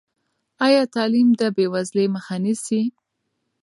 ایا تعلیم د بېوزلۍ مخه نیسي؟